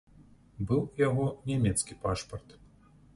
Быў у яго нямецкі пашпарт.